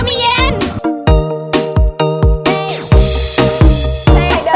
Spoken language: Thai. กรุงเทพค่ะ